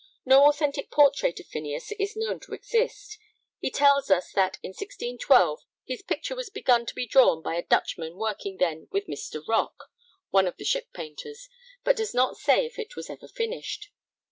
No authentic portrait of Phineas is known to exist. He tells us that in 1612 his 'picture was begun to be drawn by a Dutchman working then with Mr. Rock,' one of the ship painters, but does not say if it was ever finished.